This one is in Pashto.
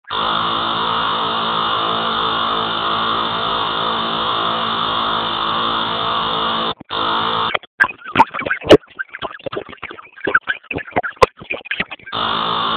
ځوانان باید خپله املاء سمه کړي.